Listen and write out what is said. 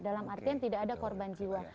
dalam artian tidak ada korban jiwa